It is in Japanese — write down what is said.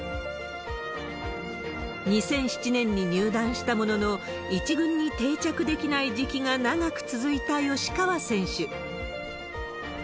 ２００７年に入団したものの、１軍に定着できない時期が長く続いた吉川選手。